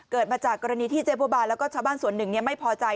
มาจากกรณีที่เจ๊บัวบานแล้วก็ชาวบ้านส่วนหนึ่งไม่พอใจ